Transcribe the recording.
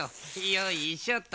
よいしょと。